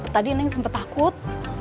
tadi neng sempet takut